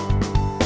oke sampai jumpa